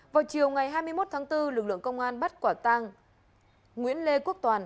vào chiều ngày hai mươi một tháng bốn lực lượng công an bắt quả tang nguyễn lê quốc toàn